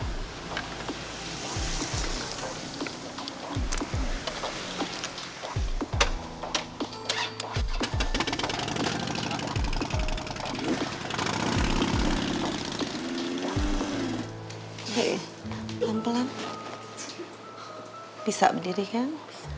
oke pelan pelan bisa berdiri kan